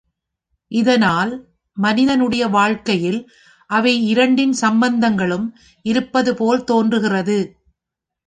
இதனால், மனிதனுடைய வாழ்க்கையில் அவை இரண்டின் சம்பந்தங்களும் இருப்பதுபோல் தோன்றுகிறது.